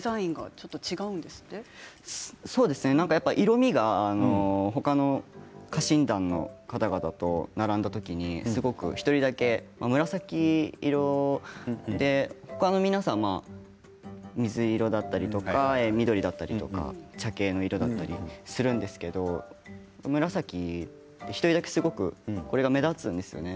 ちょっと色みが他の家臣団の方々と並んだ時にすごく１人だけ紫色で他の皆さんは水色だったりとか緑だったりとか茶系の色だったりするんですけど紫、１人だけこれは目立つんですよね。